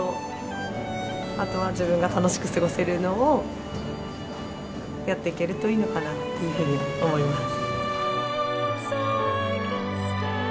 あとは自分が楽しく過ごせるのをやっていけるといいのかなっていうふうに思います。